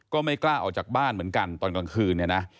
ก็ไม่กล้าออกจากบ้านเหมือนกันตอนกลางคืนเนี่ยนะ